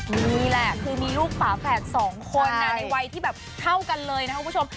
นี่แหละคือมีลูกฝาแฝดสองคนในวัยที่แบบเท่ากันเลยนะครับคุณผู้ชม